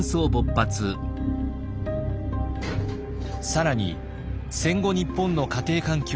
更に戦後日本の家庭環境は一変。